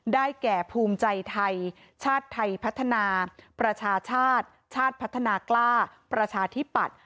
แก่ภูมิใจไทยชาติไทยพัฒนาประชาชาติชาติพัฒนากล้าประชาธิปัตย์